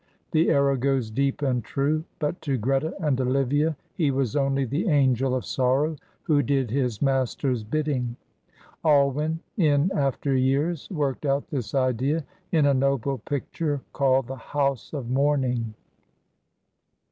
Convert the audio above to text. The arrow goes deep and true, but to Greta and Olivia he was only the angel of sorrow, who did his master's bidding. Alwyn in after years worked out this idea in a noble picture called the "House of Mourning."